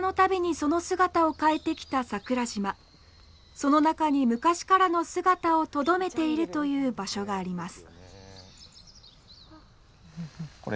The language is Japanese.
その中に昔からの姿をとどめているという場所があります。